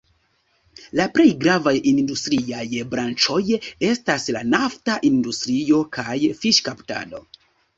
La plej gravaj industriaj branĉoj estas la nafta industrio kaj fiŝkaptado.